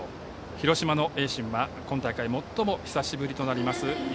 広島の盈進は今大会最も久しぶりとなります